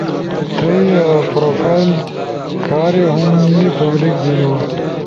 تھئی پروفائل کھارے ہُم نی پبلک بینو،